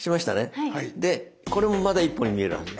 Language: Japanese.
でこれもまだ１本に見えるはず。